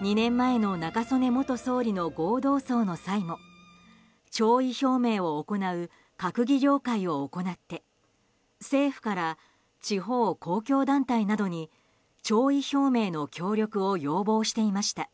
２年前の中曽根元総理の合同葬の際も弔意表明を行う閣議了解を行って政府から地方公共団体などに弔意表明の協力を要望していました。